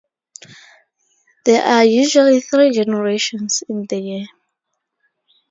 There are usually three generations in the year.